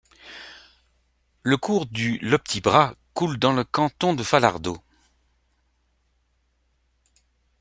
Le cours du Le Petit Bras coule dans le canton de Falardeau.